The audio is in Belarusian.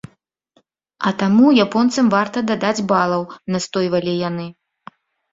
А таму японцам варта дадаць балаў, настойвалі яны.